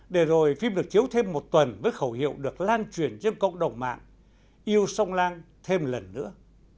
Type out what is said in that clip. để rồi phim được chiếu thêm một tuần với khẩu hiệu được lan truyền trên cộng đồng mạng yêu sông lan thêm lần nữa